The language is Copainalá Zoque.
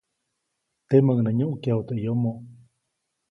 Temäʼuŋ nä nyuʼkyaju teʼ yomo.